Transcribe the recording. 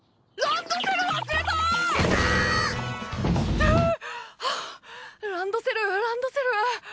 ハァハァランドセルランドセル。